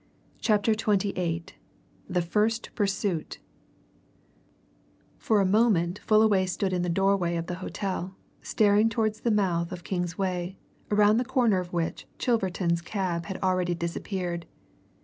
CHAPTER XXVIII THE FIRST PURSUIT For a moment Fullaway stood in the doorway of the hotel, staring towards the mouth of Kingsway, around the corner of which Chilverton's cab had already disappeared.